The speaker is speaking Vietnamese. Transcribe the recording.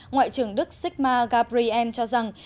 ngoại trưởng đức sigmar gabriel cho rằng